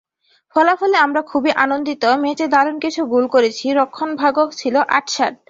ফলাফলে আমরা খুবই আনন্দিত, ম্যাচে দারুণ কিছু গোল করেছি, রক্ষণভাগও ছিল আঁটসাঁট।